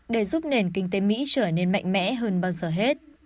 để giúp nền kinh tế mỹ trở nên mạnh mẽ hơn bao giờ hết